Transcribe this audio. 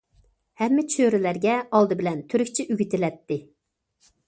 ھەممە چۆرىلەرگە ئالدى بىلەن تۈركچە ئۆگىتىلەتتى.